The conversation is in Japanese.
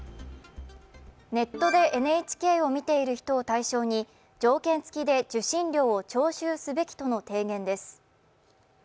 ネットでＮＨＫを見ている人を対象に条件付きで受信料を徴収すべきとの提言です。